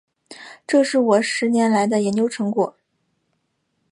这是我十年来的研究成果